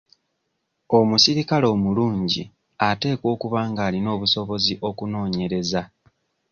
Omusirikale omulungi ateekwa okuba ng'alina obusobozi okunoonyereza.